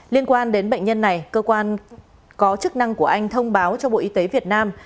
liên quan đến bệnh nhân này cơ quan có chức năng của anh thông báo cho bộ y tế việt nam